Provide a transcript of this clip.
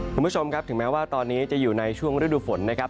คุณผู้ชมครับถึงแม้ว่าตอนนี้จะอยู่ในช่วงฤดูฝนนะครับ